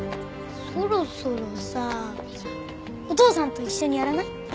そろそろさお父さんと一緒にやらない？